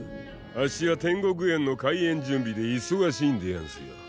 あっしは天獄園の開園準備でいそがしいんでやんすよ。